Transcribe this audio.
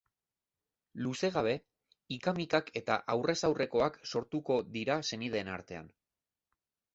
Luze gabe, ika-mikak eta aurrez-aurrekoak sortuko dira senideen artean.